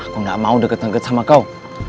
aku gak mau deket deket sama kau